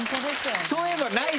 そういえばないですね